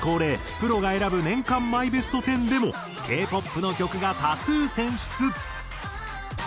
プロが選ぶ年間マイベスト１０でもＫ−ＰＯＰの曲が多数選出。